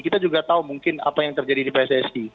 kita juga tahu mungkin apa yang terjadi di pssi